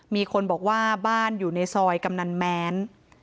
มีคนบอกว่าบ้านอยู่ในซอยกำนันแม้น